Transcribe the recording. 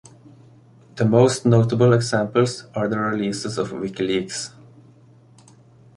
The most notable examples are the releases of Wikileaks.